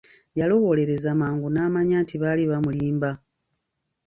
Yalowoolereza mangu n'amanya nti baali bamulimba.